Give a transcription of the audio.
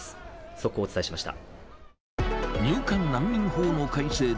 速報をお伝えしました。